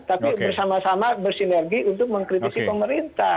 tapi bersama sama bersinergi untuk mengkritisi pemerintah